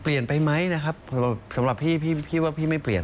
ไปไหมนะครับสำหรับพี่พี่ว่าพี่ไม่เปลี่ยน